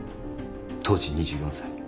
当時２４歳。